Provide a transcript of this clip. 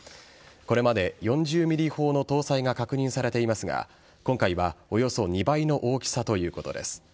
これまで４０ｍｍ砲の搭載が確認されていますが今回は、およそ２倍の大きさということです。